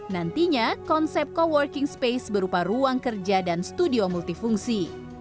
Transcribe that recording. nantinya konsep co working space berupa ruang kerja dan studio multifungsi